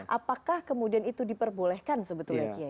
apakah kemudian itu diperbolehkan sebetulnya k i